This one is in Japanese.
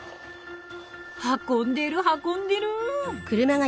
運んでる運んでる。